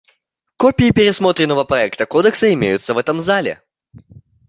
Копии пересмотренного проекта кодекса имеются в этом зале.